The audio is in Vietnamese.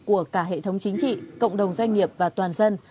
của cả hệ thống chính trị cộng đồng doanh nghiệp và toàn dân